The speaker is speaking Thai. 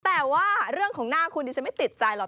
แต่ว่าเรื่องของหน้าคุณดิฉันไม่ติดใจหรอก